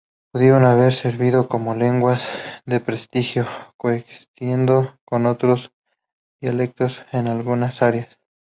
Pudieron haber servido como lenguas de prestigio, coexistiendo con otros dialectos en algunas áreas.